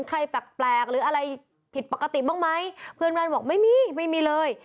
ใครแปลกหรืออะไรผิดปกติบ้างไหมเพื่อนบ้านบอกไม่มีไม่มีเลย